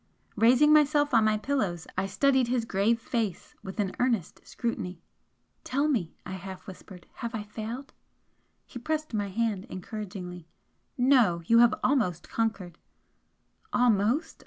Raising myself on my pillows, I studied his grave face with an earnest scrutiny. "Tell me," I half whispered "Have I failed?" He pressed my hand encouragingly. "No! You have almost conquered!" Almost!